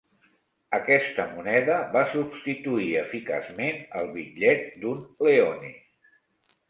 Aquesta moneda va substituir eficaçment el bitllet d'un leone.